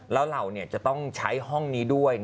แล้วเราจะต้องใช้ห้องนี้ด้วย